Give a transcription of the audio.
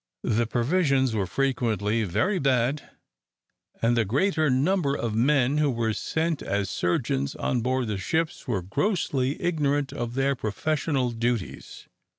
The provisions were frequently very bad, and the greater number of men who were sent as surgeons on board the ships were grossly ignorant of their professional duties.